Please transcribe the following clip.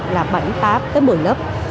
là bảy tám một mươi lớp